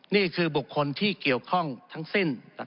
นี่คือบุคคลที่เกี่ยวข้องทั้งสิ้น